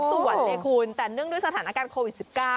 เหมายกสวนเนี่ยคุณแต่เนื่องด้วยสถานการณ์โควิด๑๙